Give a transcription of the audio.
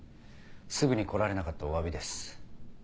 すぐに来られなかったおわびです。